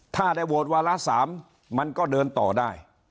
ถ้าได้โหวตวาระ๓มันก็เดินต่อได้